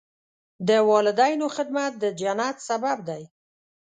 د والدینو خدمت د جنت سبب دی.